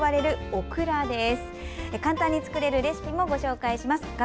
オクラです。